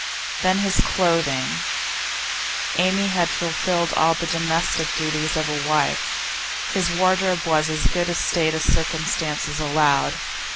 Then his clothing. Amy had fulfilled all the domestic duties of a wife; his wardrobe was in as good a state as circumstances allowed.